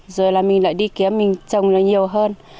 rồi là mình lại đi kiếm mình trồng lại nhiều hơn